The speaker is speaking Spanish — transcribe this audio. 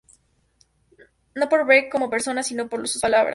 No por Beck como persona, sino por sus palabras.